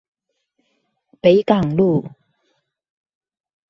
北港路